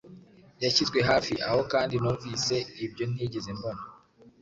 Yashyizwe hafi aho kandi numvise ibyo ntigeze mbona